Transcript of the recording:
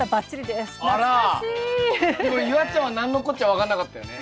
でも夕空ちゃんは何のこっちゃ分かんなかったよね。